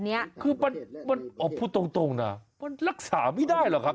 เนี้ยคือมันมันพูดตรงตรงนะมันรักษาไม่ได้หรอกครับ